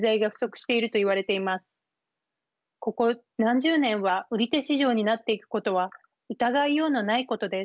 ここ何十年は売り手市場になっていくことは疑いようのないことです。